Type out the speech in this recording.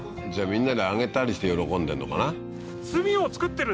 みんなにあげたりして喜んでんのかな